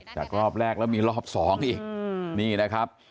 จากรอบแรกแล้วมีรอบ๒อีกนี่นะครับ